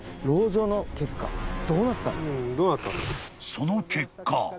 ［その結果］